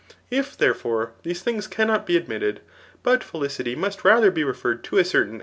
If, therefore, these things cannot be admitted, but felicity must rather be referred to a certain